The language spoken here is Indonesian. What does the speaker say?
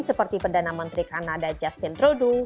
seperti perdana menteri kanada justin trudeau